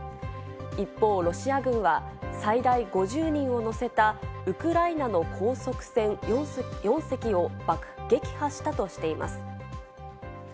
一方、ロシア軍は最大５０人を乗せたウクライナの高速船４隻を撃破したとしています。